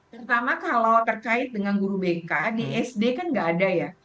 pertama kalau terkait dengan guru bk di sd kan nggak ada ya